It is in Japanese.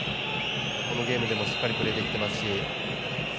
このゲームでもしっかりプレーできていますし。